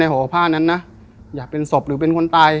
ห่อผ้านั้นนะอยากเป็นศพหรือเป็นคนตาย